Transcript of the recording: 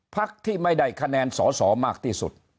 พักที่ไม่ได้คะแนนสอสอมากที่สุด